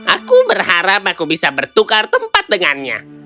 aku berharap aku bisa bertukar tempat dengannya